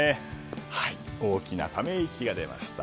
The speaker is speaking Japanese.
大きなため息が出ました。